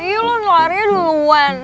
iya lu luarinya duluan